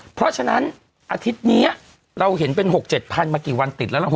เพราะฉะนั้นอาทิตย์นี้เราเห็นเป็น๖๗๐๐มากี่วันติดแล้วล่ะ